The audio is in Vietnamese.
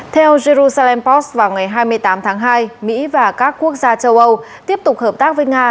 theo jerusalem post vào ngày hai mươi tám tháng hai mỹ và các quốc gia châu âu tiếp tục hợp tác với nga